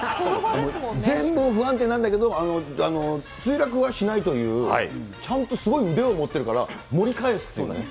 全部、不安定なんだけど、墜落はしないという、ちゃんとすごい腕を持ってるから、盛り返すというね。